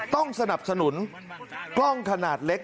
ต้องสนับสนุนกล้องขนาดเล็ก